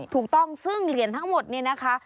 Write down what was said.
ถูกต้องซึ่งเหรียญทั้งหมดเนี่ยนะคะ